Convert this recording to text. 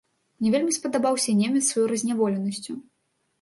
Мне вельмі спадабаўся немец сваёй разняволенасцю.